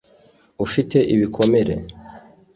ufite ibikomere